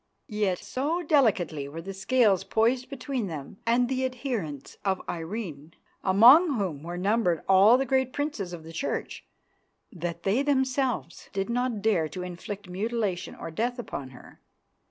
Yet so delicately were the scales poised between them and the adherents of Irene, among whom were numbered all the great princes of the Church, that they themselves did not dare to inflict mutilation or death upon her.